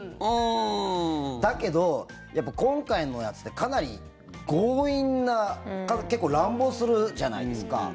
だけど、やっぱ今回のやつってかなり強引な結構、乱暴するじゃないですか。